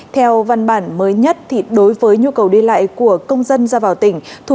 theo văn bản mới nhất đối với nhu cầu đi lại của công dân ra vào tỉnh